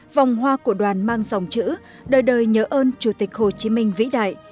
vòng hoa của đoàn mang dòng chữ đời đời nhớ ơn chủ tịch hồ chí minh vĩ đại